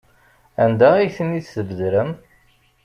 Anda ay ten-id-tbedrem?